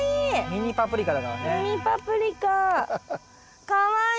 ミニパプリカかわいい！